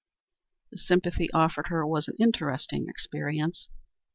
The sympathy offered her was an interesting experience.